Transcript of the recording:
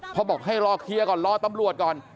พอบอกให้รอเคลียร์ก่อนรอตำรวจก่อน